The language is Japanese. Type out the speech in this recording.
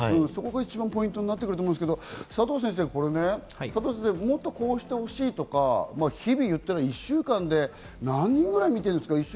そこが一番ポイントになると思うんですけど、佐藤先生、もっとこうしてほしいとか、日々、言ったら１週間で何人ぐらい診てますか？